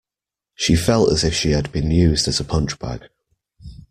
She felt as if she had been used as a punchbag